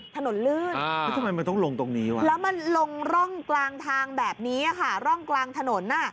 ถนนเลื่นเห็นมันทางแบบนี้ร่องกลางถนน